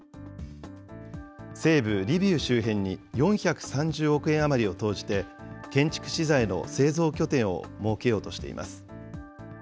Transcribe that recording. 西部リビウ周辺に４３０億円余りを投じて、建築資材の製造拠点を設けようとしています。